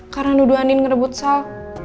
karena duduk andin ngerebut sal